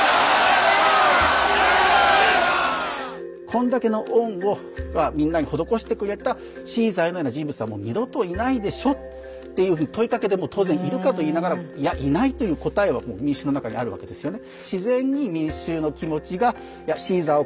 こんだけの恩をみんなに施してくれたシーザーのような人物はもう二度といないでしょっていうふうに問いかけでもう当然いるかといいながらいやいないという答えはもう民衆の中にあるわけですよね。